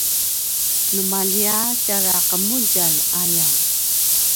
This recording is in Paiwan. nu maljiya tjara qemudjalj aya